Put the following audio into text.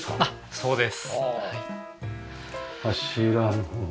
そうです。